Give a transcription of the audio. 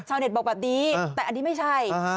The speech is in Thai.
เน็ตบอกแบบนี้แต่อันนี้ไม่ใช่